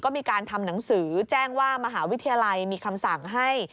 ก็มีการทำหนังสือแจ้งว่ามหาวิทยาลัยมีคำสั่งให้